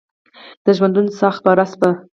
د ژوندون ساه خپره شوه